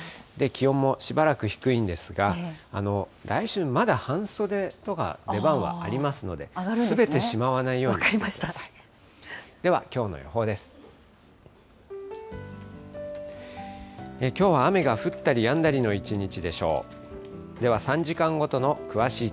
気温もしばらく低いんですが、来週、まだ半袖とか、出番はありますので、すべてしまわないようにしてください。